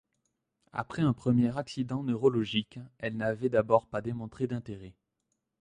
Après un premier accident neurologique, elle n'avait d'abord pas démontré d'intérêt.